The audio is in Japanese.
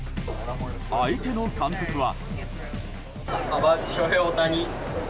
相手の監督は。